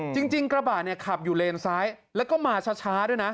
จริงกระบะเนี่ยขับอยู่เลนซ้ายแล้วก็มาช้าด้วยนะ